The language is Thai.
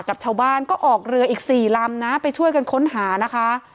กับชาวบ้านก็ออกเรืออีก๔ลำนะไปช่วยกันค้นหานะคะ